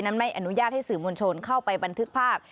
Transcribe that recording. ไม่อนุญาตให้สื่อมวลชนเข้าไปบันทึกภาพ